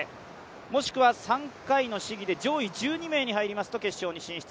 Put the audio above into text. もしくは３回の試技で上位１２名に入ると決勝進出。